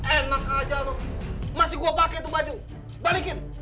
enak aja dong masih gua pake tuh baju balikin